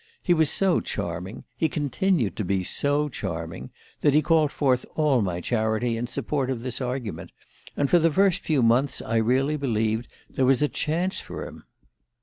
He was so charming he continued to be so charming that he called forth all my charity in support of this argument; and for the first few months I really believed there was a chance for him